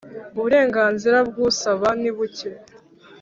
uburenganzira bw ‘usaba nibuke.